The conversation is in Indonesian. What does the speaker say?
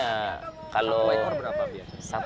satu ekor itu untuk perawatannya aja lebih besar lagi